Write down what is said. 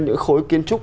những khối kiến trúc